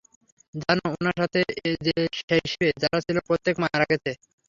জানো, উনার সাথে সেই শিপে যারা ছিল প্রত্যেকে মারা গেছে।